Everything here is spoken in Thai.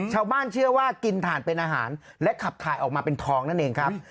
ชาวบ้านเชื่อว่ากินถ่านเป็นอาหารและขับถ่ายออกมาเป็นทองนั่นเองครับ